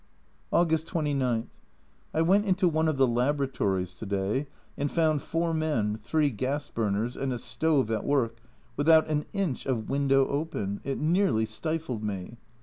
August 29. I went into one of the Laboratories to day, and found four men, three gas burners, and a stove at work, without an inch of window open it nearly stifled me.